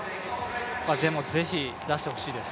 でもぜひ出してほしいです。